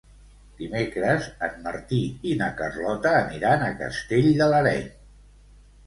Dimecres en Martí i na Carlota aniran a Castell de l'Areny.